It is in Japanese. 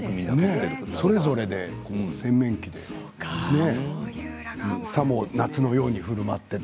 それぞれで洗面器にさも夏のようにふるまっている。